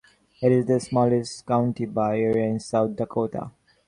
It is the smallest county by area in South Dakota.